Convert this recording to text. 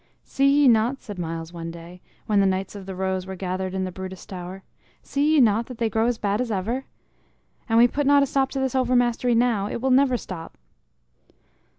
"See ye not," said Myles one day, when the Knights of the Rose were gathered in the Brutus Tower "see ye not that they grow as bad as ever? An we put not a stop to this overmastery now, it will never stop."